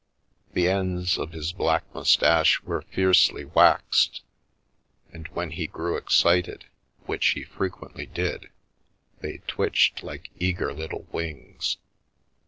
The ends of his black moustache were fiercely waxed, and when he grew excited, which he frequently did, they twitched like eager little wings.